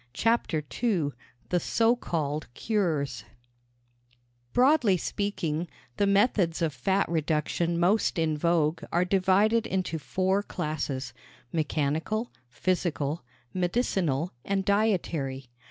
CHAPTER II THE SO CALLED CURES Broadly speaking, the methods of fat reduction most in vogue are divided into four classes mechanical, physical, medicinal and dietary.